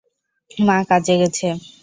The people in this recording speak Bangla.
মা কাজে গেছে।